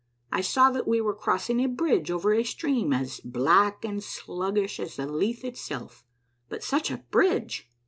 I saw that we were crossing a bridge over a stream as black and sluggish as Lethe itself. But such a bridge